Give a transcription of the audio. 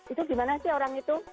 itu gimana sih orang itu